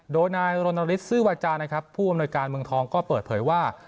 โดยนายรณฤทธซื้อวาจานะครับผู้อำนวยการเมืองทองก็เปิดเผยว่า